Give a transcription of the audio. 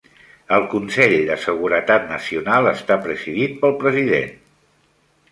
El Consell de Seguretat Nacional està presidit pel President.